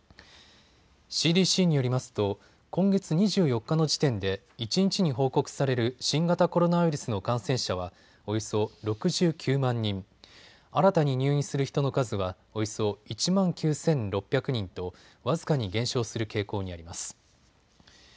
ＣＤＣによりますと今月２４日の時点で一日に報告される新型コロナウイルスの感染者はおよそ６９万人、新たに入院する人の数はおよそ１万９６００人と僅かに減少する傾向にあります。